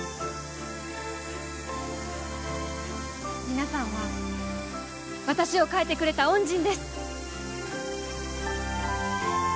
皆さんは私を変えてくれた恩人です。